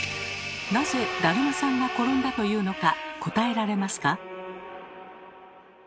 なぜ「だるまさんがころんだ」というのか答えられますか？